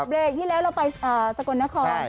เบรกที่แล้วเราไปสกลนคร